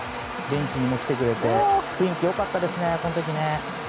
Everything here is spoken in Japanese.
ベンチにも来てくれて雰囲気良かったですね、この時。